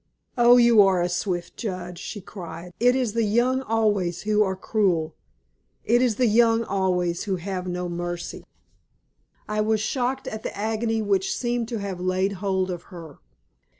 "Oh, you are a swift judge!" she cried. "It is the young always who are cruel! It is the young always who have no mercy!" I was shocked at the agony which seemed to have laid hold of her.